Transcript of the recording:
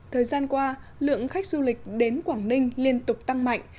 thời gian qua lượng khách du lịch đến quảng ninh liên tục tăng mạnh